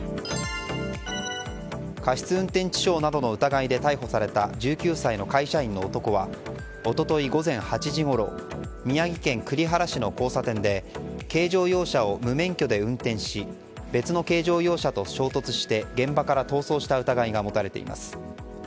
過失運転致傷などの疑いで逮捕された１９歳の会社員の男は一昨日午前８時ごろ宮城県栗原市の交差点で軽乗用車を無免許で運転し別の軽乗用車と衝突して現場から逃走した疑いが持たれています。